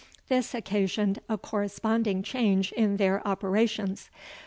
This occasioned a corresponding change in their operations.